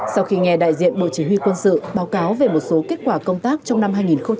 sau khi nghe đại diện bộ chỉ huy quân sự báo cáo về một số kết quả công tác trong năm hai nghìn một mươi chín